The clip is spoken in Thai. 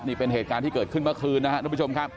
นี่เป็นเหตุการณ์ที่เกิดขึ้นเมื่อคืนนะครับทุกผู้ชมครับ